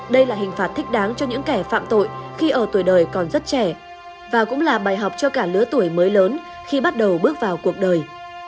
đây là hình phạt thích đáng cho những kẻ phạm tội khi ở tuổi đời còn rất trẻ và cũng là bài học cho cả lứa tuổi mới lớn khi bắt đầu bước vào cuộc đời